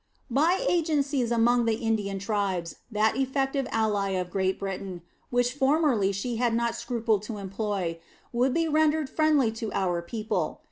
By agencies among the Indian tribes, that effective ally of Great Britain, which formerly she has not scrupled to employ, would be rendered friendly to our people.